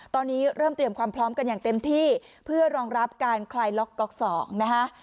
ตอนนี้เริ่มเตรียมความพร้อมกันอย่างเต็มที่เพื่อรองรับการคลายล็อกก๊อกสองนะฮะ